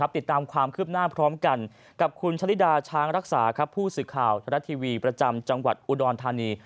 ติดตามความคืบหน้าพร้อมกันกับคุณชะลิดาช้างรักษาผู้สื่อข่าวทรัฐทีวีประจำจังหวัดอุดรธานี